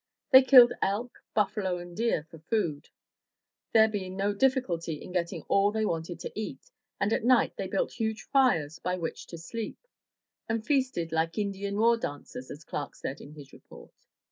They killed elk, buffalo, and deer for food, there being no difficulty in getting all they wanted to eat, and at night they built huge fires by which to sleep, and feasted "like Indian war dancers,'' as Clark said in his report.